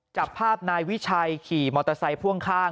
จับภาพนายวิชัยขี่มอเตอร์ไซค์พ่วงข้าง